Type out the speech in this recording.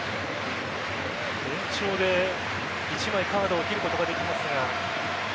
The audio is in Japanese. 延長で１枚カードを切ることができます。